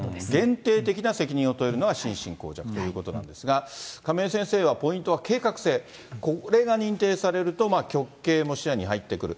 限定的な責任を問えるのが心神耗弱ということなんですが、亀井先生はポイントは計画性、これが認定されると、極刑も視野に入ってくる。